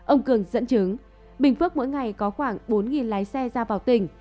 ông cường dẫn chứng bình phước mỗi ngày có khoảng bốn lái xe ra vào tỉnh